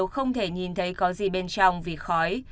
không thể nhìn thấy có gì bên trong vì khói